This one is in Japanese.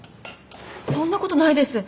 そんなことないです。